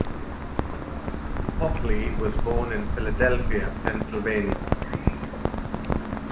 Hockley was born in Philadelphia, Pennsylvania.